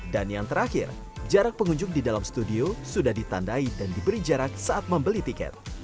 dan yang terakhir jarak pengunjung di dalam studio sudah ditandai dan diberi jarak saat membeli tiket